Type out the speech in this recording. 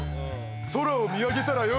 空を見上げたらよ